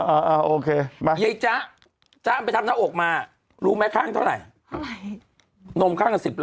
อ่าโอเคไปยายจ๊ะจ๊ะไปทำหน้าอกมารู้ไหมข้างเท่าไหร่